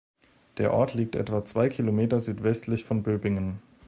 Der Ort liegt etwa zwei Kilometer südwestlich von Böbingen.